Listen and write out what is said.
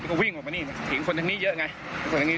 ปีก็เลยคอบมอเตอร์ไซต์แล้วก็หมอเตอร์ไซด์เค้าพาไปเลย